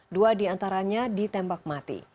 dua di antaranya ditembak mati